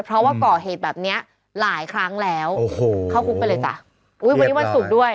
เพราะว่าก่อเหตุแบบเนี้ยหลายครั้งแล้วโอ้โหเข้าคุกไปเลยจ้ะอุ้ยวันนี้วันศุกร์ด้วย